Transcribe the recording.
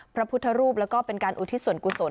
พระพุทธรูปแล้วก็เป็นการอุทิศส่วนกุศล